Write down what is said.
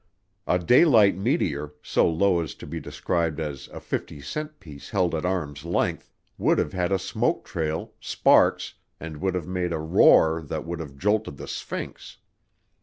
A daylight meteor, so low as to be described as "a 50 cent piece held at arm's length," would have had a smoke trail, sparks, and would have made a roar that would have jolted the Sphinx.